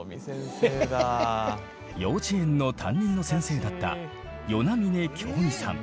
幼稚園の担任の先生だった與那嶺京美さん。